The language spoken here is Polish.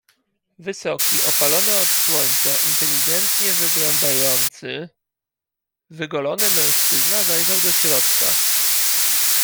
"Wysoki, opalony od słońca, inteligentnie wyglądający, wygolony mężczyzna zajrzał do środka."